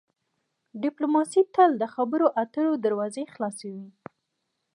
ډیپلوماسي تل د خبرو اترو دروازې خلاصوي.